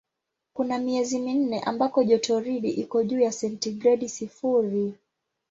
Kuna miezi minne ambako jotoridi iko juu ya sentigredi sifuri.